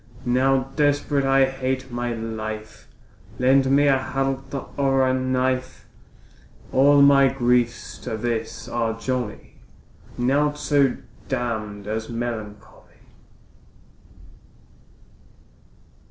Now desperate I hate my life, Lend me a halter or a knife; All my griefs to this are jolly, Naught so damn'd as melancholy.